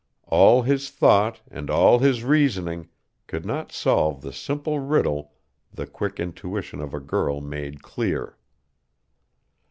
All his thought and all his reasoning could not solve the simple riddle the quick intuition of a girl made clear.